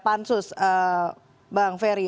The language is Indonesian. pansus bang peri